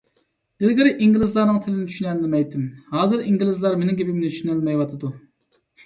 ئىلگىرى ئىنگلىزلارنىڭ تىلىنى چۈشىنەلمەيتتىم، ھازىر ئىنگلىزلار مېنىڭ گېپىمنى چۈشىنەلمەيۋاتىدۇ.